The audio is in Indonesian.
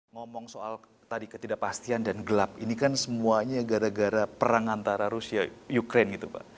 ngomong soal ketidakpastian dan gelap ini kan semuanya gara gara perang antara rusia dan ukraine